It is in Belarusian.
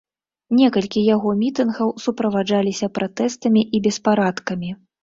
Некалькі яго мітынгаў суправаджаліся пратэстамі і беспарадкамі.